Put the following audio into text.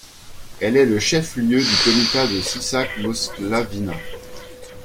Elle est le chef-lieu du Comitat de Sisak-Moslavina.